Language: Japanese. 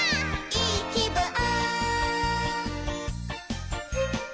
「いいきぶん！」